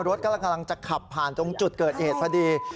รถกำลังจะขับผ่านตรงจุดเกิดเหตุพอดี